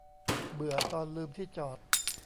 "เบื่อตอนลืมที่จอด"